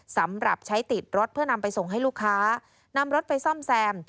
สำหรับใช้ติดรถเพื่อนำไปส่งให้ลูกค้านำรถไปซ่อมแซม